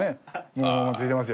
もう付いてます